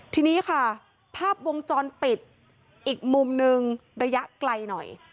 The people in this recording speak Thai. ทีนี้ค่ะภาพวงจรปิดอีกมุมนึงระยะไกลหน่อย